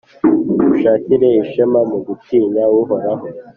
ushakire ishema mu gutinya Uhoraho